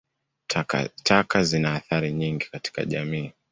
Taka zina athari nyingi katika jamii.